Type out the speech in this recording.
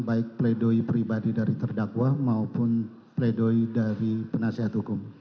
baik pledoi pribadi dari terdakwah maupun pledoi dari penasihat hukum